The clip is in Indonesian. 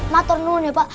matorun ya pak